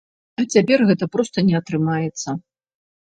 А цяпер гэта проста не атрымаецца.